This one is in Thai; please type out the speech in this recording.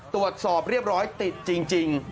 ตรวจสอบเรียบร้อยติดจริง